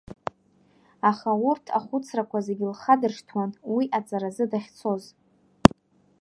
Аха урҭ ахәыцрақәа зегьы лхадыршҭуан, уи аҵаразы дахьцоз.